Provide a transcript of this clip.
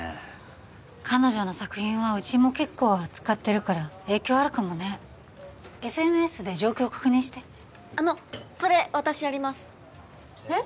彼女の作品はうちも結構扱ってるから影響あるかもねＳＮＳで状況確認してあのそれ私やりますえっ？